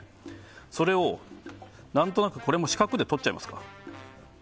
それを何となくこれも四角でとっちゃいますから。